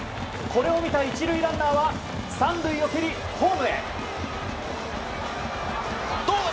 これを見た１塁ランナーは３塁を蹴り、ホームへ。